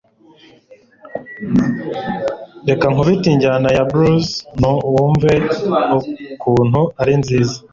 Reka nkubite injyana ya blues wumve ukuntru ari nziza